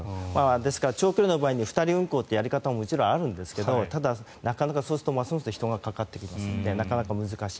ですから長距離の場合に２人運行というやり方ももちろんあるんですがなかなか人がかかってきますのでなかなか難しい。